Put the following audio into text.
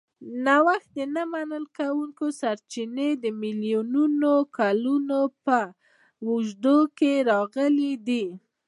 نوښت نه منونکي سرچینې د میلیونونو کالونو په اوږدو کې راغلي دي.